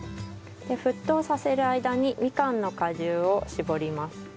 で沸騰させる間にみかんの果汁を搾ります。